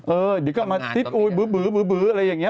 เออเดี๋ยวก็มาติดอุ๊ยบื้ออะไรอย่างนี้